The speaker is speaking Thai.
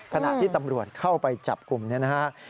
ขณะที่ตำรวจเข้าไปจับกลุ่มเนี่ยนะฮะ